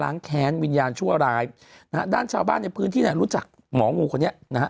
แค้นวิญญาณชั่วร้ายนะฮะด้านชาวบ้านในพื้นที่เนี่ยรู้จักหมองูคนนี้นะฮะ